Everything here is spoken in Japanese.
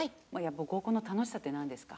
合コンの楽しさってなんですか？